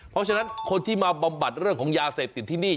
เพราะฉะนั้นคนที่มาบำบัดเรื่องของยาเสพติดที่นี่